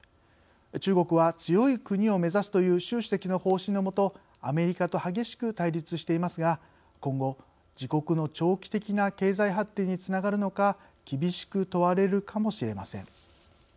中国は強い国を目指すという習主席の方針のもとアメリカと激しく対立していますが今後、自国の長期的な経済発展につながるのか厳しく問われるかもしれません。